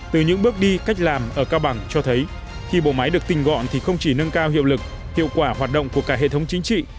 từ những bước đi cách làm ở cao bằng cho thấy khi bộ máy được tinh gọn thì không chỉ nâng cao hiệu lực hiệu quả hoạt động của cả hệ thống chính trị